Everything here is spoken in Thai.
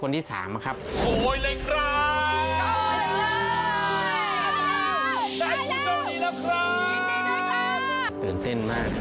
เตือนเต้นมาก